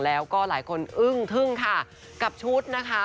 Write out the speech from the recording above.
แล้วก็หลายคนอึ้งทึ่งค่ะกับชุดนะคะ